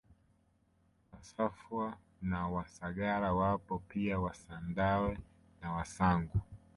Wasafwa na Wasagara wapo pia Wasandawe na Wasangu